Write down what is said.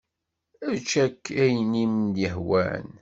Ečč akk ayen i m-yehwan.